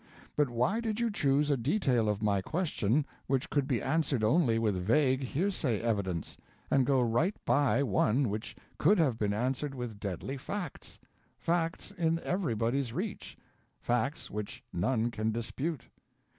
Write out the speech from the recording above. But why did you choose a detail of my question which could be answered only with vague hearsay evidence, and go right by one which could have been answered with deadly facts? facts in everybody's reach, facts which none can dispute.